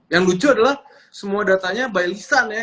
yang lucu adalah semua datanya by lisan ya